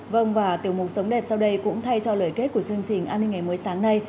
vâng và tiểu mục sống đẹp sau đây cũng thay cho lời kết của chương trình an ninh ngày mới sáng nay